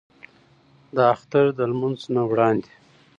د اختر د لمونځ نه وړاندې